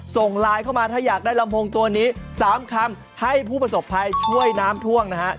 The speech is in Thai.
ส่งไลน์เข้ามาถ้าอยากได้ลำโพงตัวนี้๓คำให้ผู้ประสบภัยช่วยน้ำท่วมนะฮะ